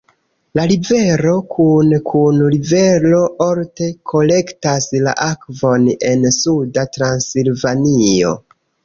La rivero kune kun rivero Olt kolektas la akvon en Suda Transilvanio.